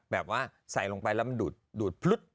แบบว่าใส่ลงไปแล้วมันดูดพลึด